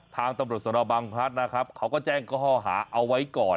ทางตำรวจสนบังพลัดนะครับเขาก็แจ้งข้อหาเอาไว้ก่อน